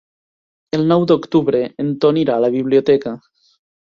El nou d'octubre en Ton irà a la biblioteca.